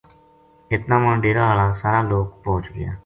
اتنا ما ڈیرا ہالا سارا لوک پوہچ گیا